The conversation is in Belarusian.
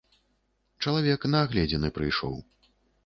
Чалавек на агледзіны прыйшоў.